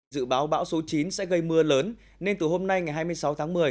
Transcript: dự báo bão số chín sẽ gây mưa lớn nên từ hôm nay ngày hai mươi sáu tháng một mươi